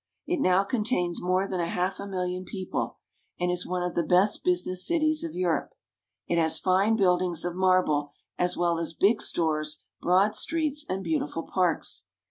It now contains more than a half million people, and is one of the best busi ness cities of Europe. It has fine buildings of marble, as well as big stores, broad streets, and beautiful parks.